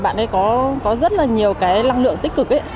bạn ấy có rất là nhiều cái lăng lượng tích cực ấy